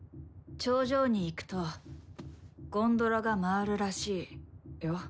頂上に行くとゴンドラが回るらしいよ。